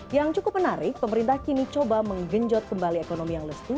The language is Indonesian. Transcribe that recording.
yang cukup menarik pemerintah kini coba menggenjot kembali ekonomi yang lesu